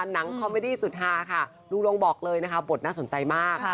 คอมเมดี้สุดฮาค่ะลุงลงบอกเลยนะคะบทน่าสนใจมาก